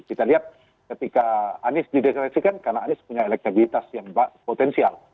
kita lihat ketika anies dideklarasikan karena anies punya elektabilitas yang potensial